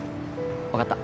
分かった。